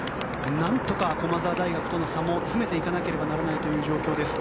何とか駒澤大学との差も詰めていかなければならない状況です。